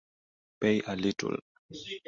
Pay a little.